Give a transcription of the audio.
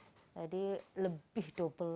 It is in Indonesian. proses pengajuan yang mudah dan juga perubahan